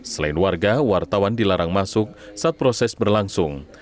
selain warga wartawan dilarang masuk saat proses berlangsung